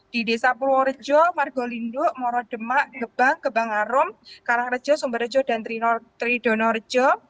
di desa pulau rejo margolindo morodema gebang gebang arom karang rejo sumber rejo dan tridono rejo